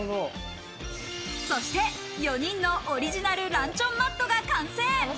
そして４人のオリジナルランチョンマットが完成。